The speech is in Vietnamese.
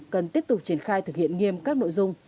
cần tiếp tục triển khai thực hiện nghiêm các nội dung